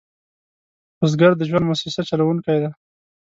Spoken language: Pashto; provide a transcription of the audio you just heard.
بزګر د ژوند موسسه چلوونکی دی